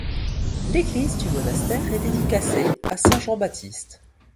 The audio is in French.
L'église du monastère est dédicacée à Saint-Jean-Baptiste.